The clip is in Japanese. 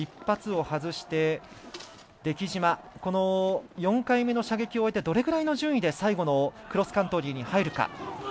１発を外して出来島４回目の射撃を終えてどれくらいの順位で最後のクロスカントリーに入るか。